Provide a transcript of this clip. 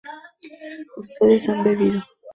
ustedes han bebido